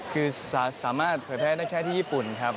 คือสามารถเผยแพร่ได้แค่ที่ญี่ปุ่นครับ